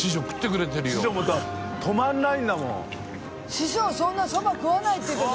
師匠そんなそば食わないって言ったけど。